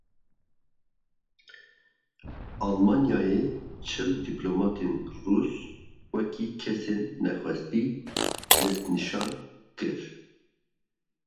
Almanyayê çil dîplomatên Rûs wekî kesên nexwestî destnîşan kir.